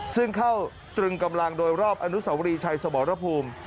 ซึ่งเข้าตรึงกำลังโดยรอบอนุสาวรีชัยสมรภูมิ